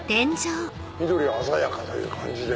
緑が鮮やかという感じで。